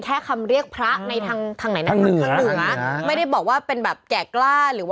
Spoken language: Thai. แค่ธรรมเรียกพระในทั้งทั้งไหนต้องเฉลี่ยพวกง่ายเตรียบว่าเป็นแบบแกร่ศราย